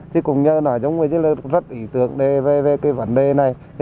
thì cũng rất ý tưởng về cái vấn đề này